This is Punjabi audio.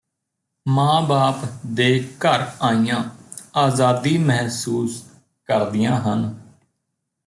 ਮਾਂ ਬਾਪ ਦੇ ਘਰ ਆਈਆਂ ਆਜ਼ਾਦੀ ਮਹਿਸੂਸ ਕਰਦੀਆਂ ਹਨ